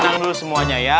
tenang dulu semuanya ya